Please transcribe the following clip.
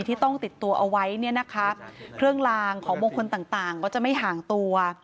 ที่ต้องติดตัวเอาไว้เครื่องลางของมงคลต่างก็จะไม่ห่างตัว